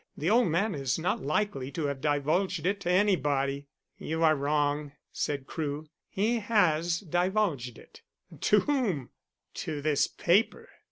The old man is not likely to have divulged it to anybody." "You are wrong," said Crewe. "He has divulged it." "To whom?" "To this paper.